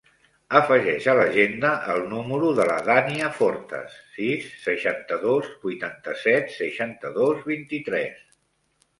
Afegeix a l'agenda el número de la Dània Fortes: sis, seixanta-dos, vuitanta-set, seixanta-dos, vint-i-tres.